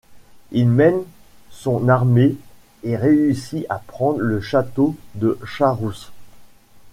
Il mène son armée et réussit à prendre le château de Charousse.